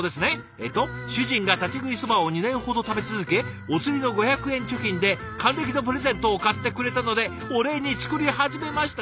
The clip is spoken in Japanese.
えっと「主人が立ち食いそばを２年ほど食べ続けおつりの５００円貯金で還暦のプレゼントを買ってくれたのでお礼に作り始めました」。